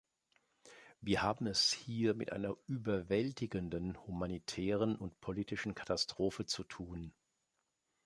Wir haben es hier mit einer überwältigenden humanitären und politischen Katastrophe zu tun.